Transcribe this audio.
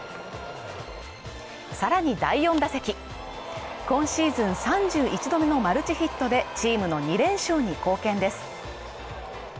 さらに第４打席今シーズン３１度目のマルチヒットでチームの２連勝に貢献です